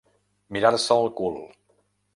Mirar-se el cul.